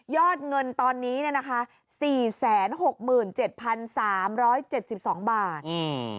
ยอดเงินตอนนี้เนี่ยนะคะ๔๖๗๓๗๒บาท